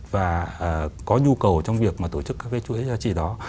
và có nhu cầu trong việc mà tổ chức các cái chuỗi giá trị đó